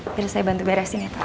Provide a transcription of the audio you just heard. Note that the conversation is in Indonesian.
biar saya bantu beresin ya pak